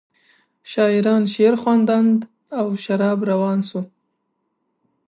شاعران شعرخواندند او شراب روان شو.